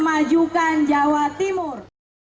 memajukan jawa timur